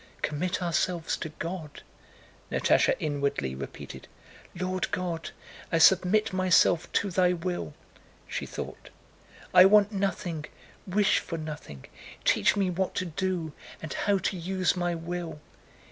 "Commit ourselves to God," Natásha inwardly repeated. "Lord God, I submit myself to Thy will!" she thought. "I want nothing, wish for nothing; teach me what to do and how to use my will!